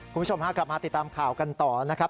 คุณผู้ชมฮะกลับมาติดตามข่าวกันต่อนะครับ